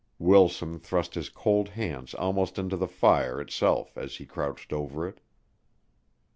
Wilson thrust his cold hands almost into the fire itself as he crouched over it.